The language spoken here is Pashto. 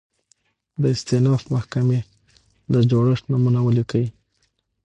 د استیناف محکمي د جوړښت نومونه ولیکئ؟